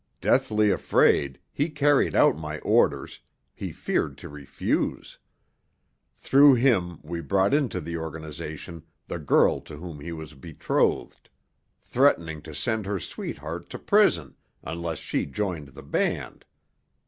Deathly afraid, he carried out my orders; he feared to refuse. Through him we brought into the organization the girl to whom he was betrothed—threatening to send her sweetheart to prison unless she joined the band.